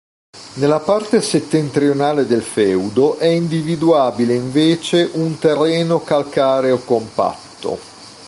Nella parte settentrionale del feudo è individuabile invece un terreno calcareo compatto.